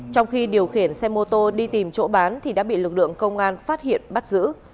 trong khi điều khiển xe mô tô đi tìm chỗ bán thì đã bị lực lượng công an phát hiện bắt giữ